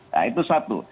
nah itu satu